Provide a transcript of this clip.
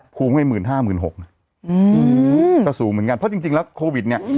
ภูมิให้หมื่นห้าหมื่นหกนะอืมก็สูงเหมือนกันเพราะจริงแล้วโควิดเนี่ย